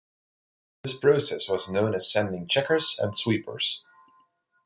This process was known as sending "checkers and sweepers".